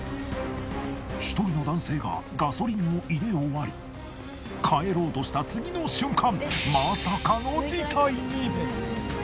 １人の男性がガソリンを入れ終わり帰ろうとした次の瞬間。